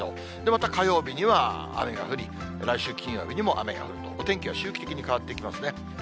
また火曜日には雨が降り、来週金曜日にも雨が降ると、お天気は周期的に変わっていきますね。